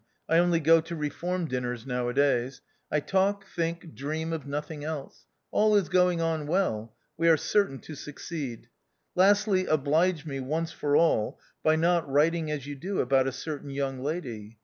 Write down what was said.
I only go to Eeform dinners now a days. I talk, think, dream of nothing else. All is going on well : we are certain to succeed. " Lastly, oblige me, once for all, by not writing as you do about a certain young lady.